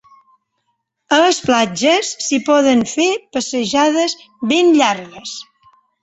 A les platges s'hi poden fer passejades ben llargues.